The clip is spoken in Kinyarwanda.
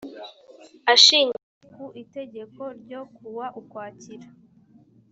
ashingiye ku itegeko ryo ku wa ukwakira